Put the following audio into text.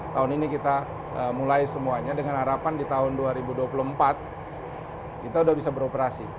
tahun ini kita mulai semuanya dengan harapan di tahun dua ribu dua puluh empat kita sudah bisa beroperasi